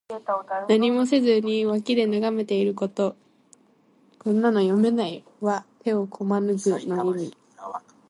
何もせずに脇で眺めていること。「拱手」は手をこまぬくの意味。